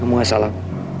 kamu aja salah